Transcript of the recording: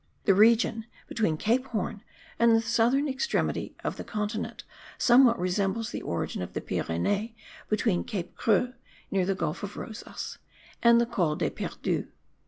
The region between Cape Horn and the southern extremity of the continent somewhat resembles the origin of the Pyrenees between Cape Creux (near the gulf of Rosas) and the Col des Perdus.